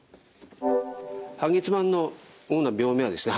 半月板の主な病名はですね